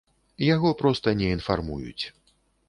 Яго проста не інфармуюць.